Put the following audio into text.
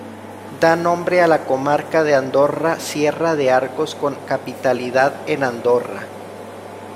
Da nombre a la comarca de Andorra-Sierra de Arcos, con capitalidad en Andorra.